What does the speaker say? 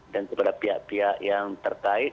dan kepada pihak pihak yang terkait